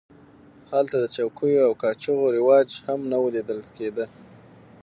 هلته د چوکیو او کاچوغو رواج هم نه و لیدل کېده.